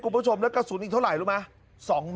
กลุ่มผู้ชมและกระสุนอีกเท่าไรรู้ไหม